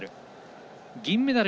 金メダル。